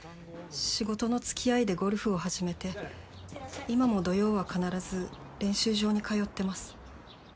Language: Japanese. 仕事の付き合いでゴルフを始めて今も土曜は必ず練習場に通ってます。